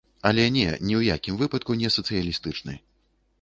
Але не, ні ў якім выпадку не сацыялістычны.